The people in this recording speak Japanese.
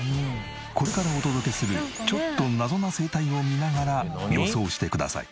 これからお届けするちょっと謎な生態を見ながら予想してください。